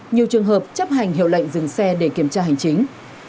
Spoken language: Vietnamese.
nhiều trường hợp chấp hành hiệu lệnh dừng xe để kiểm tra hành chính